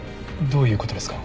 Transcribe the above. どういう事ですか？